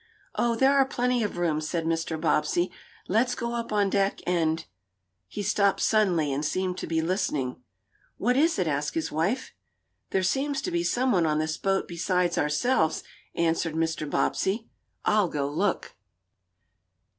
"Oh, there are plenty of rooms," said Mr. Bobbsey. "Let's go up on deck and " He stopped suddenly, and seemed to be listening. "What is it?" asked his wife. "There seems to be some one on this boat beside ourselves," answered Mr. Bobbsey. "I'll go look."